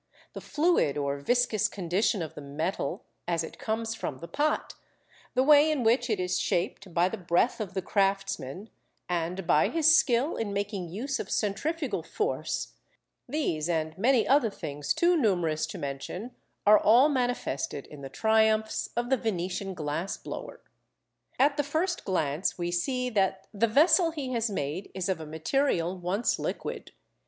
The fluid or viscous condition of the "metal" as it comes from the "pot," the way in which it is shaped by the breath of the craftsman, and by his skill in making use of centrifugal force, these and many other things too numerous to mention are all manifested in the triumphs of the Venetian glass blower. At the first glance we see that the vessel he has made is of a material once liquid.